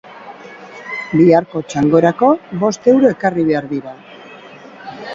biharko txangorako bost euro ekarri behar dira